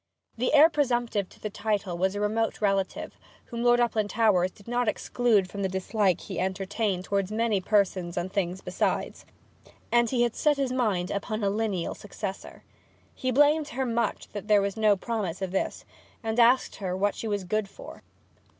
The heir presumptive to the title was a remote relative, whom Lord Uplandtowers did not exclude from the dislike he entertained towards many persons and things besides, and he had set his mind upon a lineal successor. He blamed her much that there was no promise of this, and asked her what she was good for.